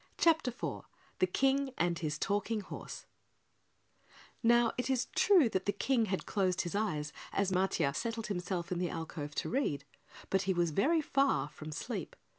CHAPTER 4 The King and His Talking Horse Now it is true that the King had closed his eyes as Matiah settled himself in the alcove to read, but he was very far from asleep.